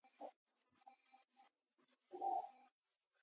Technocratic notions at home on the Right played little part.